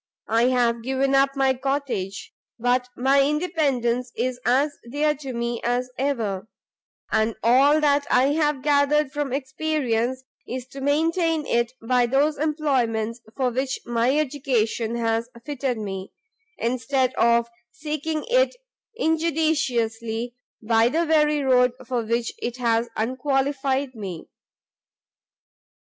I have given up my cottage, but my independence is as dear to me as ever; and all that I have gathered from experience, is to maintain it by those employments for which my education has fitted me, instead of seeking it injudiciously by the very road for which it has unqualified me."